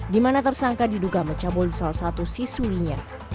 di mana tersangka diduga mencabul salah satu siswinya